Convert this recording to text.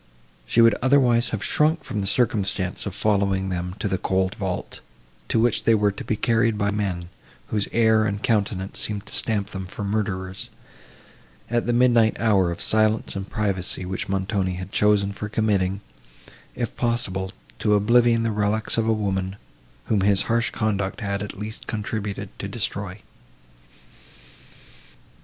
She would otherwise have shrunk from the circumstance of following them to the cold vault, to which they were to be carried by men whose air and countenances seemed to stamp them for murderers, at the midnight hour of silence and privacy, which Montoni had chosen for committing, if possible, to oblivion the reliques of a woman, whom his harsh conduct had, at least, contributed to destroy.